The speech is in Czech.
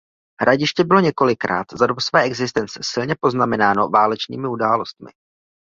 Hradiště bylo několikrát za dob své existence silně poznamenáno válečnými událostmi.